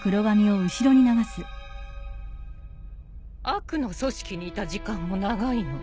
悪の組織にいた時間も長いの。